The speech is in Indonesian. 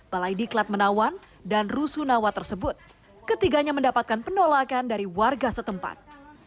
balai diklat menawan dan rusunawa tersebut ketiganya mendapatkan penolakan dari warga setempat